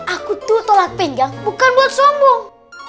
aku tuh tolak pinggang bukan buat sombong